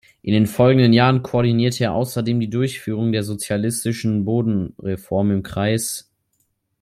In den folgenden Jahren koordinierte er außerdem die Durchführung der sozialistischen Bodenreform im Kreis.